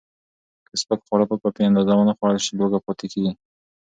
که سپک خواړه په کافي اندازه ونه خورل شي، لوږه پاتې کېږي.